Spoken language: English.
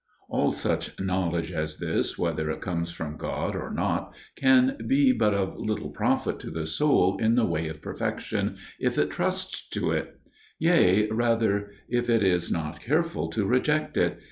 "All such knowledge as this, whether it comes from God or not, can be but of little profit to the soul in the way of perfection, if it trusts to it: yea, rather, if it is not careful to reject it